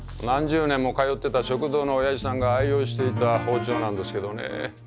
何十年も通ってた食堂のおやじさんが愛用していた包丁なんですけどね